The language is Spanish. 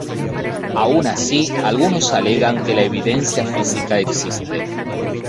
Aun así algunos alegan que la evidencia física existe.